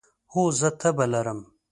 هو، زه تبه لرم